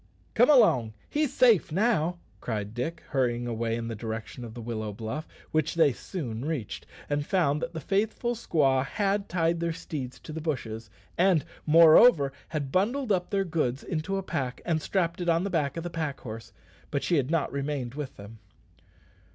"Come along; he's safe now," cried Dick, hurrying away in the direction of the willow bluff, which they soon reached, and found that the faithful squaw had tied their steeds to the bushes, and, moreover, had bundled up their goods into a pack, and strapped it on the back of the pack horse; but she had not remained with them.